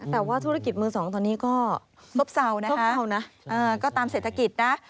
แต่ว่าธุรกิจมือสองตอนนี้ก็ซบเศร้านะคะก็ตามเศรษฐกิจนะ